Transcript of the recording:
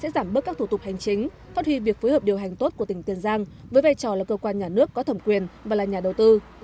giảm bớt các thủ tục hành chính phát huy việc phối hợp điều hành tốt của tỉnh tiền giang với vai trò là cơ quan nhà nước có thẩm quyền và là nhà đầu tư